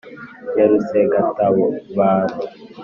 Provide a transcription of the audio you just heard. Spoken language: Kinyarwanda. Ya Rusengatabaro